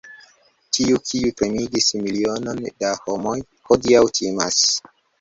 Tiu, kiu tremigis milionon da homoj, hodiaŭ timas!